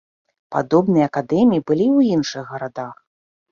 Падобныя акадэміі былі і ў іншых гарадах.